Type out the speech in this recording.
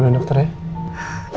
udah dokter ya